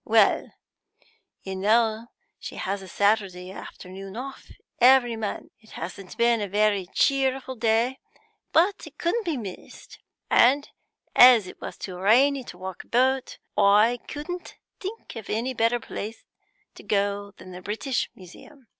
Well, you know she has a Saturday afternoon off every month. It hasn't been a very cheerful day, but it couldn't be missed; and, as it was too rainy to walk about, I couldn't think of any better place to go to than the British Museum.